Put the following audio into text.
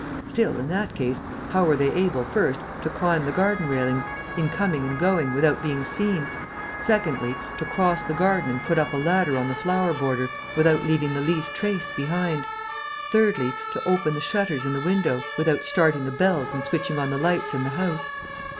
Still, in that case, how were they able, first, to climb the garden railings, in coming and going, without being seen; secondly, to cross the garden and put up a ladder on the flower border, without leaving the least trace behind; thirdly, to open the shutters and the window, without starting the bells and switching on the lights in the house?